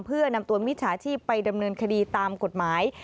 เพื่อนำตัวมิจฉาชีพไปดำเนินคดีตามกฎหมาย